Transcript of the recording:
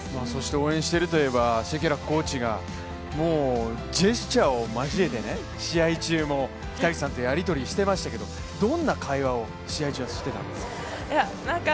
応援しているといえばシェケラックコーチがジェスチャーを交えて試合中も北口さんとやり取りしていましたけど、どんな会話を試合中はしてたんですか？